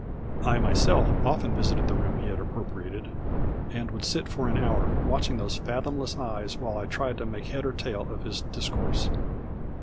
I myself often visited the room he had appropriated, and would sit for an hour watching those fathomless eyes while I tried to make head or tail of his discourse.